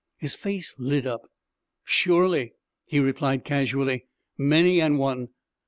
His face lit up. 'Surely,' he replied casually, 'many an one.'